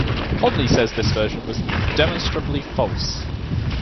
Conley says this version is demonstrably false.